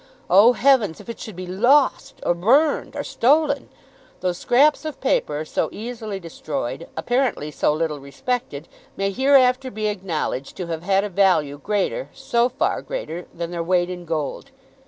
Oh, heavens, if it should be lost! or burned! or stolen! Those scraps of paper, so easily destroyed, apparently so little respected, may hereafter be acknowledged to have had a value greater, so far greater, than their weight in gold!